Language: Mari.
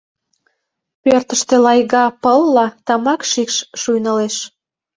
Пӧртыштӧ лайга пылла тамак шикш шуйнылеш.